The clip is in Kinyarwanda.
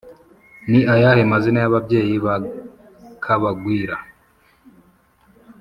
Ni ayahe mazina y’ababyeyi ba kabagwira?